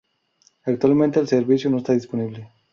Actualmente el servicio no está disponible.